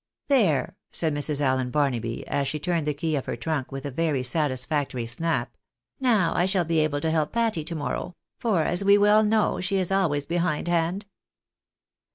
" There !" said Mrs. Allen Barnaby, as she turned the key of her trunk with a very satisfactory snap, " now I shall be able to help Patty to morrow ; for, as we well know, she is always behind hand."